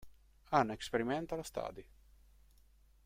An experimental study.